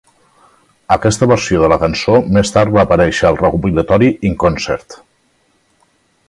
Aquesta versió de la cançó més tard va aparèixer al recopilatori In Concert.